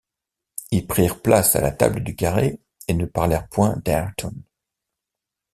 Ils prirent place à la table du carré et ne parlèrent point d’Ayrton.